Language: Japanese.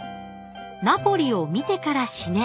「ナポリを見てから死ね」